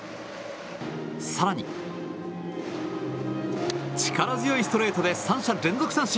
更に、力強いストレートで３者連続三振。